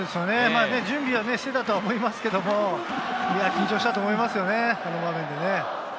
準備はしていたと思いますけど、いや、緊張したと思います、あの場面でね。